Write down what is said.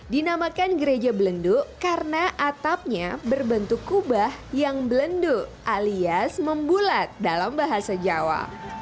dinamakan gereja belendo karena atapnya berbentuk kubah yang belendo alias membulat dalam bahasa jawa